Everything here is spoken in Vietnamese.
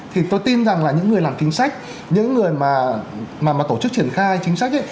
thì tôi tin rằng là những người làm chính sách những người mà tổ chức triển khai chính sách ấy